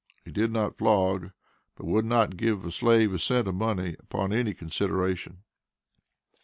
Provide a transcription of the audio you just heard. He did not flog, but would not give a slave a cent of money upon any consideration."